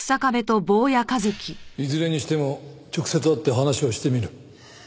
いずれにしても直接会って話をしてみる。